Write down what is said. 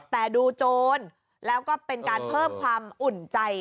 แต่ดูโจรแล้วก็เป็นการเพิ่มความอุ่นใจ